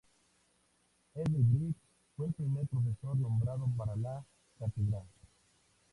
Henry Briggs fue el primer profesor nombrado para la cátedra.